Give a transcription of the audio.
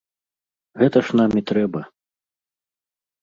Гэта ж нам і трэба!